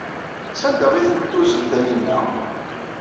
Sanda ay tent-tuzen Taninna?